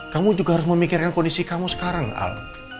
kamu juga harus memikirkan kondisi kamu sekarang al